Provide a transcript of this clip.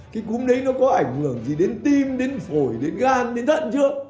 cái cúm đấy nó có ảnh hưởng gì đến tim đến phổi đến gan đến thận chưa